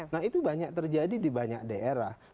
nah itu banyak terjadi di banyak daerah